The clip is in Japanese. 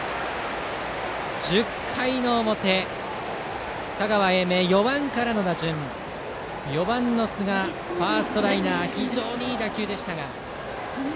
１０回の表、香川・英明４番からの打順４番の寿賀、ファーストライナー非常にいい打球でした。